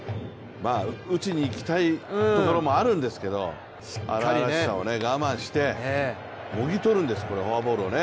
打ちにいきたいところもあるんですけれども、荒々しさを我慢して、もぎ取るんですフォアボールをね。